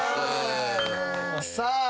さあ